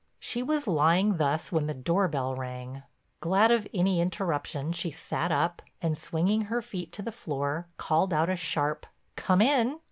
She was lying thus when the door bell rang. Glad of any interruption she sat up, and, swinging her feet to the floor, called out a sharp "Come in."